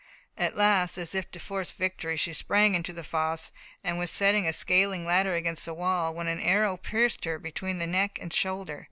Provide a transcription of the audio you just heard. At last, as if to force victory, she sprang into the fosse, and was setting a scaling ladder against the wall when an arrow pierced her between the neck and shoulder.